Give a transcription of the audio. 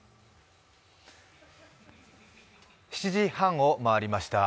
７時半を回りました。